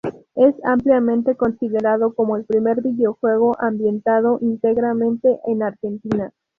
Es ampliamente considerado como el primer videojuego ambientado íntegramente en Argentina.